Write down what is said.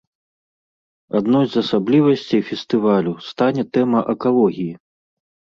Адной з асаблівасцей фестывалю стане тэма экалогіі.